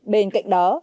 bên cạnh đó